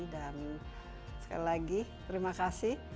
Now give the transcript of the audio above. dan sekali lagi terima kasih